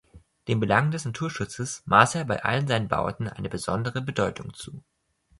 Den Belangen des Naturschutzes maß er bei allen seinen Bauten eine besondere Bedeutung zu.